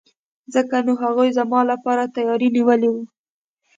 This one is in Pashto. ځکه نو هغوی زما لپاره تیاری نیولی وو.